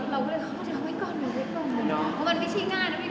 ใหม่ผู้ใหญ่เชิญการ